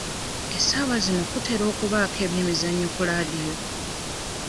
Essaawa zino kutera okubaako ebyemizannyo ku laadiyo.